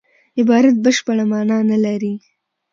عبارت بشپړه مانا نه لري.